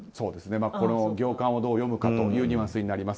この行間をどう読むかというニュアンスになります。